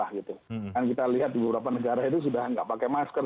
karena kita lihat di beberapa negara itu sudah tidak pakai masker